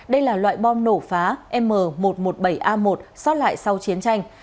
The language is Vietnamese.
đây là loại bom nổ phá m một trăm một mươi bảy a một xót lại sau chiến tranh